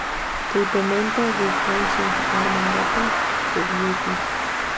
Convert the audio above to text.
Tutamante rirkanchi armankapa pukyupi.